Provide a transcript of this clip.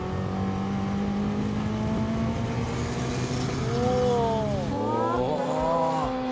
おお。